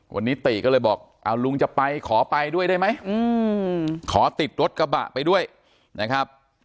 วันนี้ติก็เลยบอกเอาลุงจะไปขอไปด้วยได้ไหมขอติดรถกระบะไปด้วยนะครับ